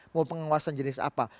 mau pengawasan jenis apa